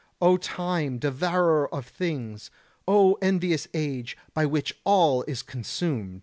O time, devourer of things! O envious age, by which all is consumed!